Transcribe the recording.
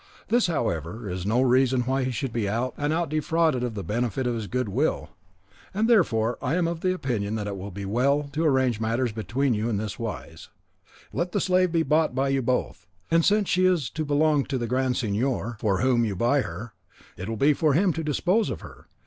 This, however, is no reason why he should be out and out defrauded of the benefit of his good will, and therefore I am of opinion that it will be well to arrange matters between you in this wise: let the slave be bought by you both; and since she is to belong to the Grand Signor, for whom you buy her, it will be for him to dispose of her.